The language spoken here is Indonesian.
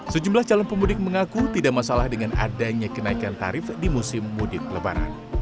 sejumlah calon pemudik mengaku tidak masalah dengan adanya kenaikan tarif di musim mudik lebaran